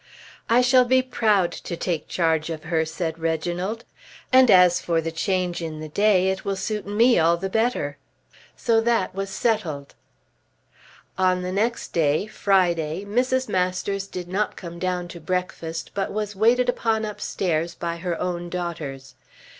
"I shall be proud to take charge of her," said Reginald. "And as for the change in the day it will suit me all the better." So that was settled. On the next day, Friday, Mrs. Masters did not come down to breakfast, but was waited upon upstairs by her own daughters.